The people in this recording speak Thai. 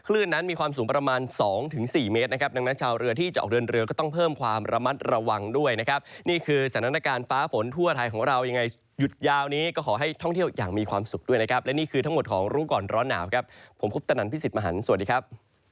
และนี่คือทั้งหมดของรุ่งก่อนร้อนหนาวครับผมพุทธนันทร์พี่สิทธิ์มหันฯสวัสดีครับ